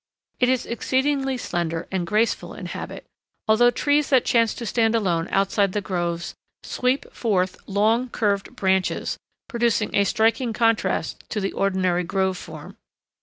It is exceedingly slender and graceful in habit, although trees that chance to stand alone outside the groves sweep forth long, curved branches, producing a striking contrast to the ordinary grove form.